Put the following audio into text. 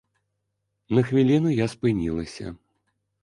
На хвіліну я спынілася.